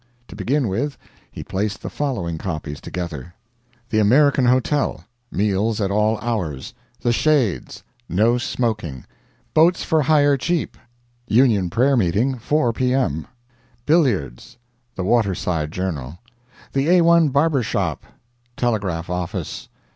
To begin with, he placed the following copies together: THE AMERICAN HOTEL. MEALS AT ALL HOURS. THE SHADES. NO SMOKING. BOATS FOR HIRE CHEAP UNION PRAYER MEETING, 4 P.M. BILLIARDS. THE WATERSIDE JOURNAL. THE A1 BARBER SHOP. TELEGRAPH OFFICE.